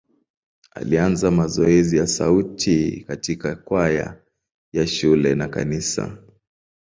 Alianza mazoezi ya sauti katika kwaya ya shule na kanisa.